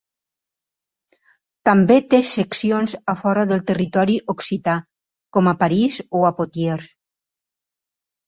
També té seccions a fora del territori occità, com a París o a Poitiers.